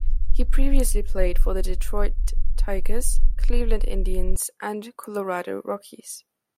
He previously played for the Detroit Tigers, Cleveland Indians, and Colorado Rockies.